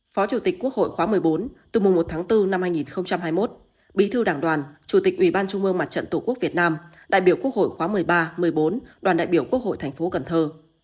phó chủ tịch quốc hội khóa một mươi bốn từ mùa một tháng bốn năm hai nghìn hai mươi một bí thư đảng đoàn chủ tịch ủy ban trung mương mặt trận tổ quốc việt nam đại biểu quốc hội khóa một mươi ba một mươi bốn đoàn đại biểu quốc hội thành phố cần thơ